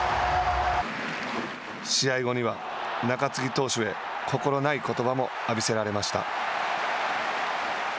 試合後には、中継ぎ投手へ心ないことばも浴びせられました。